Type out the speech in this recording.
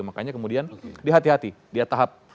makanya kemudian dia hati hati dia tahap